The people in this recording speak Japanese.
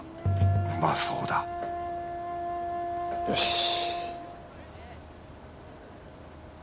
うまそうだよし。